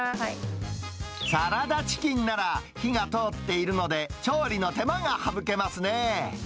サラダチキンなら、火が通っているので、調理の手間が省けますね。